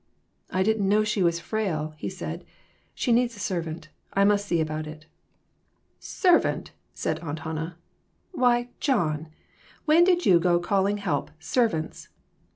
I didn't know she was frail," he said. " She needs a servant; I must see about it." "Servant!" said Aunt Hannah; "why, John, when did you go to calling help servants